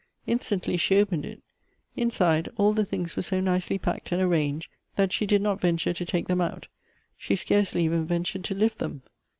Instantly she opened it ; inside, all the things were so nicely packed and arranged, that she did not venture to take them out, she scarcely even ventured to lift them.